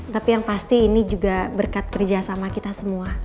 tapi yang pasti ini juga berkat kerjasama kita semua